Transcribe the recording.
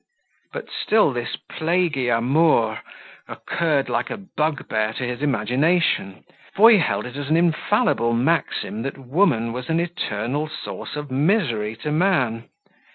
But still this plaguy amour occurred like a bugbear to his imagination; for he held it as an infallible maxim, that woman was an eternal source of misery to man.